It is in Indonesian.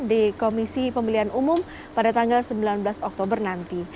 di komisi pemilihan umum pada tanggal sembilan belas oktober nanti